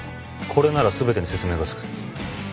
これならすべてに説明がつく。